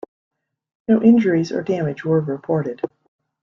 No injuries or damage were reported.